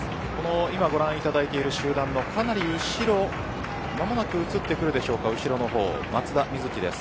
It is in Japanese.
今見ている集団のかなり後ろ間もなく映るでしょうか松田瑞生です。